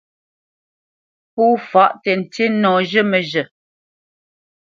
Pó fâʼ tə́ ntí nɔ zhə́ məzhə̂.